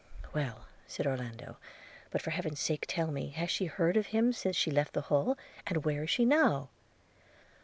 'Well,' said Orlando; 'but, for Heaven's sake tell me! has she heard of him since she left the Hall? – and where is she now?'